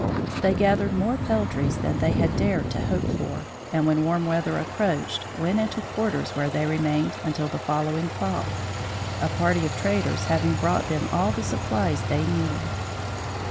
They gathered more peltries than they had dared to hope for, and when warm weather approached, went into quarters where they remained until the following fall, a party of traders having brought them all the supplies they needed.